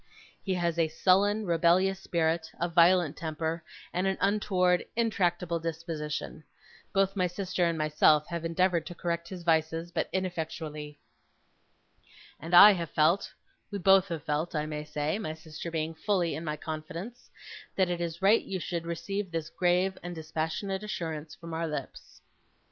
He has a sullen, rebellious spirit; a violent temper; and an untoward, intractable disposition. Both my sister and myself have endeavoured to correct his vices, but ineffectually. And I have felt we both have felt, I may say; my sister being fully in my confidence that it is right you should receive this grave and dispassionate assurance from our lips.